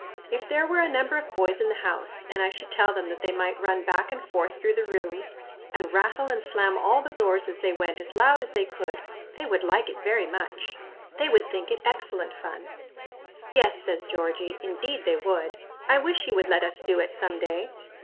If there were a number of boys in the house, and I should tell them that they might run back and forth through the rooms, and rattle and slam all the doors as they went as loud as they could, they would like it very much. They would think it excellent fun." "Yes," says Georgie, "indeed, they would. I wish you would let us do it some day."